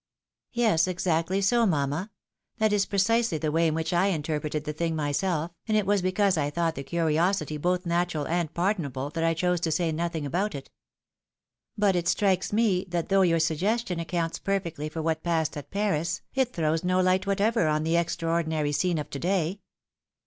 " Yes, exactly so, mamma ; that is precisely the way in which I interpreted the thing myself, and it was because I thought the curiosity both natural and pardonable, that I chose to say nothing about it. But it strikes me that though your suggestion accounts perfectly for what passed at Paris, it throws no light whatever on the extraordinary scene of to day.